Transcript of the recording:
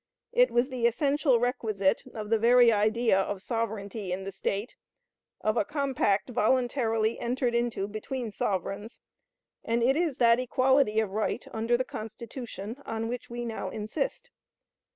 It was the essential requisite of the very idea of sovereignty in the State; of a compact voluntarily entered into between sovereigns; and it is that equality of right under the Constitution on which we now insist.